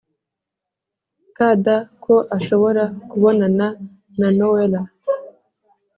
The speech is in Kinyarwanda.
kd ko ashobora kubonana na nowela